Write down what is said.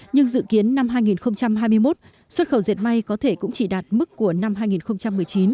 nhưng dự kiến năm hai nghìn hai mươi một xuất khẩu dệt may có thể cũng chỉ đạt mức của năm hai nghìn một mươi chín